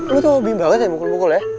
lo tuh hobi banget yang mukul mukul ya